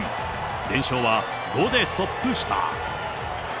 連勝は５でストップした。